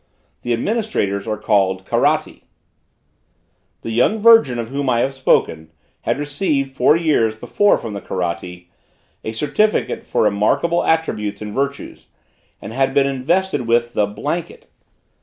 The administrators are called Karatti. The young virgin of whom I have spoken, had received, four years before from the Karatti, a certificate for remarkable attainments and virtues, and had been invested with the "blanket."